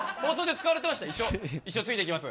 一生ついていきます。